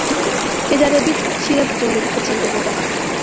შედარებით მცირე ბრძოლები გრძელდებოდა.